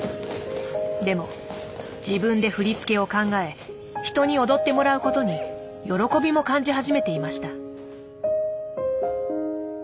でも自分で振り付けを考え人に踊ってもらうことに喜びも感じ始めていました。